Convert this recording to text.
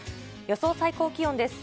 予想最高気温です。